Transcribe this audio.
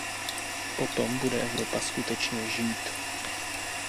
Potom bude Evropa skutečně žít.